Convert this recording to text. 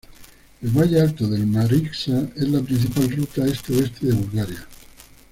El valle alto del Maritsa es la principal ruta este-oeste de Bulgaria.